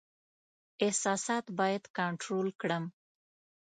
احساسات باید کنټرول کړم.